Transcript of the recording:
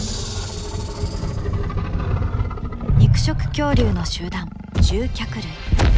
肉食恐竜の集団獣脚類。